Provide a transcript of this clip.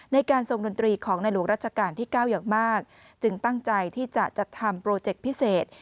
ในการทรงดนตรีของในหลวงรัชกาลที่๙อย่างมากจึงตั้งใจที่จะจัดทำโปรเจคพิเศษ